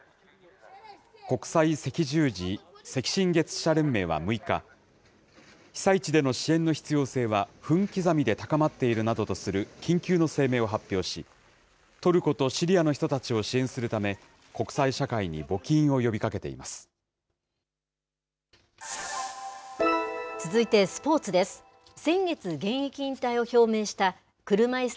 国際赤十字・赤新月社連盟は６日、被災地での支援の必要性は分刻みで高まっているなどとする緊急の声明を発表し、トルコとシリアの人たちを支援するため、国際社会続いてスポーツです。